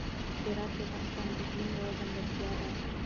هرات د افغانستان د اقلیم یوه ځانګړتیا ده.